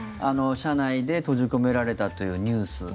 車内で閉じ込められたというニュース。